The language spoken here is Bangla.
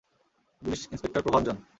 Police inspector Prabhanjan.